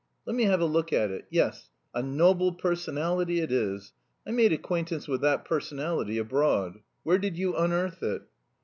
Let me have a look at it yes, 'A Noble Personality' it is. I made acquaintance with that personality abroad. Where did you unearth it?"